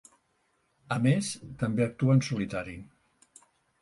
A més, també actua en solitari.